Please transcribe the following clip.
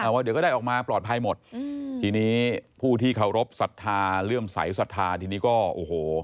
ว่าเดี๋ยวก็ได้ออกมาปลอดภัยหมดทีนี้ผู้ที่เคารพสัทธาเลื่อมใสสัทธาทีนี้ก็โอ้โห